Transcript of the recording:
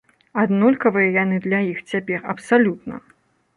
Аднолькавыя яны для іх цяпер абсалютна.